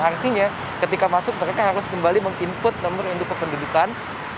artinya ketika masuk mereka harus kembali meng input nomor induk kependudukan